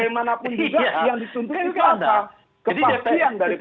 ini loh bang adian